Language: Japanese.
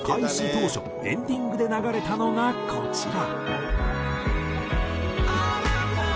当初エンディングで流れたのがこちら。